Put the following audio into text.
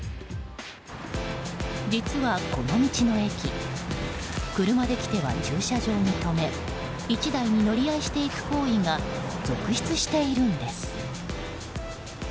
実はこの道の駅車で来ては駐車場に止め１台に乗り合いしていく行為が続出しているのです。